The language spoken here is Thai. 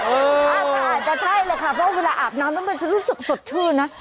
อาจจะใช่เลยค่ะเพราะเวลาอาบน้ำแล้วมันจะรู้สึกสดชื่นนะ